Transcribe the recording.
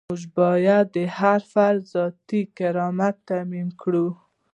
موږ باید د هر فرد ذاتي کرامت تامین کړو.